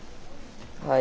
はい。